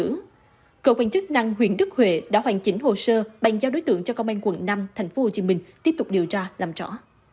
vẫn cựu quan chức năng huyền đức huệ đã hoàn chỉnh hồ sơ bành giao đối tượng cho công an quận năm tp hcm tiếp tục điều tra làm rõ